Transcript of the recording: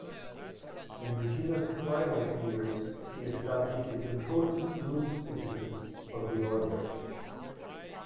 In Regina's twilight years, she establishes important rules precedents for the Order.